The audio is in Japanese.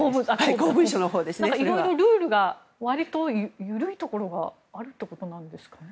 いろいろルールが割と緩いところがあるということなんですね。